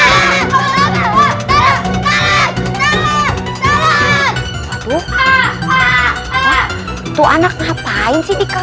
kenapa ya gak ada yang keke